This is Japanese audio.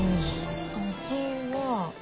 味は。